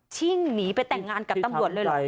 ชิ่งหนีไปแต่งงานกับตำรวจเลยเหรอ